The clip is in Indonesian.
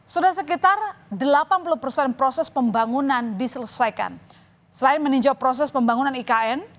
selain meninjau proses pembangunan ikn